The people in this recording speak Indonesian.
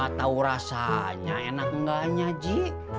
gak tau rasanya enak gaknya ji